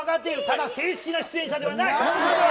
だが、正式な出演者ではない！